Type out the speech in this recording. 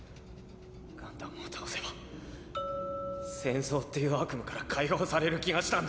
ガンダムを倒せば戦争っていう悪夢から解放される気がしたんだ。